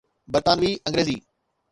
برطانوي انگريزي